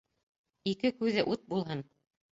Ике күҙе ут булһын.